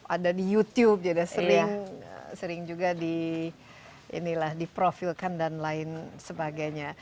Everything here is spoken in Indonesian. ada di youtube juga sering juga di profilkan dan lain sebagainya